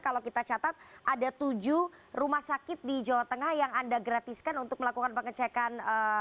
kalau kita catat ada tujuh rumah sakit di jawa tengah yang anda gratiskan untuk melakukan pengecekan